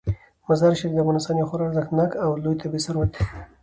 مزارشریف د افغانستان یو خورا ارزښتناک او لوی طبعي ثروت دی.